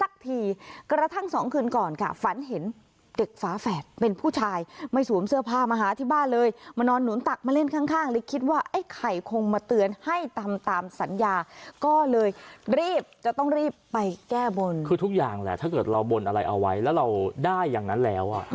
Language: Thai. คือถ้าเราบ่นอะไรเอาไว้แล้วเราได้อย่างนั้นอ่า